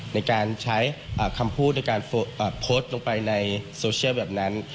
ในการใช้คำพูดในการโพสต์ลงไปในโซเชียลแบบนั้น